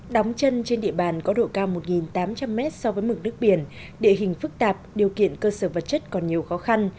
đóng chân trên địa bàn có độ cao một tám trăm linh m so với mực nước biển địa hình phức tạp điều kiện cơ sở vật chất còn nhiều khó khăn